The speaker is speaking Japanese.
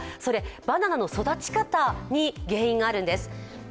バナナの育ち方に原因があるんです。